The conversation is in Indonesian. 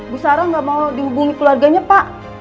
bu sarah nggak mau dihubungi keluarganya pak